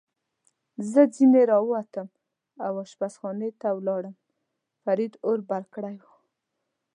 زه ځنې را ووتم او اشپزخانې ته ولاړم، فرید اور بل کړی و.